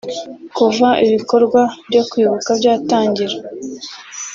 Kuva ibikorwa byo kwibuka byatangira